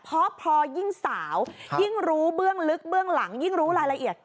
เพราะพอยิ่งสาวยิ่งรู้เบื้องลึกเบื้องหลังยิ่งรู้รายละเอียด